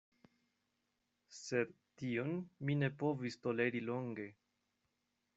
Sed, tion mi ne povis toleri longe.